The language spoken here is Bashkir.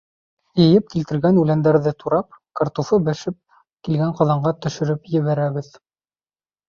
Йыйып килтергән үләндәрҙе турап, картуфы бешеп килгән ҡаҙанға төшөрөп ебәрәбеҙ.